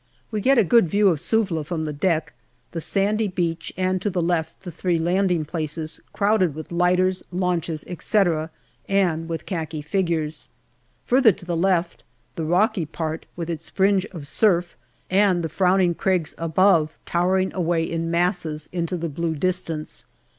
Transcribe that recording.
We get a good view of Suvla from the deck: the sandy beach, and to the left the three landing places, crowded with lighters, launches, etc., and with khaki figures. Further to the left, the rocky part with its fringe of surf, and the frowning crags above towering away in masses into the blue distance.